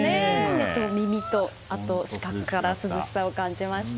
目と耳と、あと視覚から涼しさを感じました。